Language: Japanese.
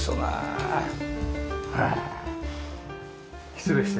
失礼して。